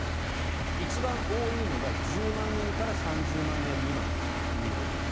一番多いのが１０万円から３０万円未満ということです。